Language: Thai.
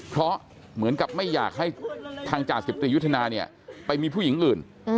เพราะเหมือนกับไม่อยากให้ทางจ่าสิบตรียุทธนาเนี่ยไปมีผู้หญิงอื่น